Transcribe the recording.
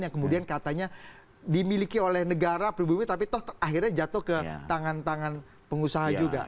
yang kemudian katanya dimiliki oleh negara pribumi tapi toh akhirnya jatuh ke tangan tangan pengusaha juga